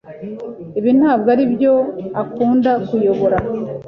Ibi ntabwo aribyo akunda_kuyobora